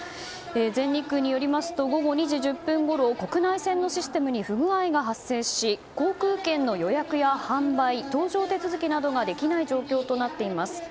全日空によりますと午後２時１０分ごろ国内線のシステムに不具合が発生し航空券の予約や販売搭乗手続きなどができない状況となっています。